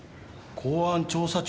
公安調査庁？